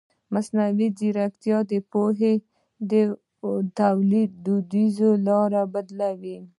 مصنوعي ځیرکتیا د پوهې د تولید دودیزې لارې بدلوي.